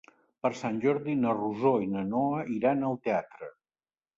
Per Sant Jordi na Rosó i na Noa iran al teatre.